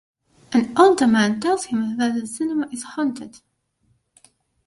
An older man tells him that the cinema is haunted.